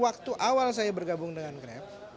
waktu awal saya bergabung dengan grab